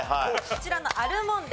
こちらのアルモンデ